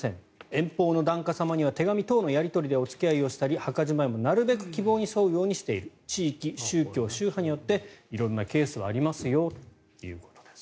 遠方の檀家様には手紙等のやり取りでお付き合いをしたり墓じまいも、なるべく希望に沿うようにしている地域、宗教、宗派によって色んなケースはありますよということです。